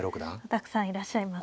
たくさんいらっしゃいますね。